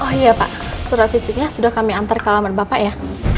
oh iya pak surat fisiknya sudah kami antar ke alaman bapak ya